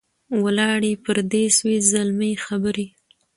ولاړې پردۍ سوې زلمۍ خبري